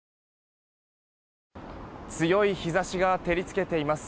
強い日差しが照り付けています。